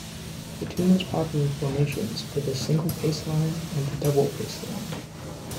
The two most popular formations are the single paceline and double paceline.